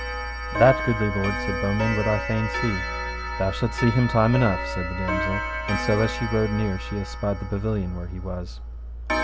That goodly lord, said Beaumains, would I fain see. Thou shalt see him time enough, said the damosel, and so as she rode near she espied the pavilion where he was.